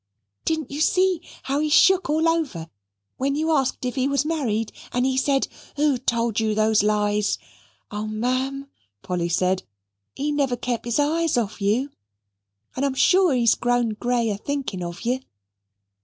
"Didn't you see how he shook all over when you asked if he was married and he said, 'Who told you those lies?' Oh, M'am," Polly said, "he never kept his eyes off you, and I'm sure he's grown grey athinking of you."